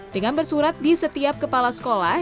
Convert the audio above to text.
dengan bersurat di setiap kepala sekolah